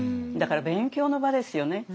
だから勉強の場ですよね。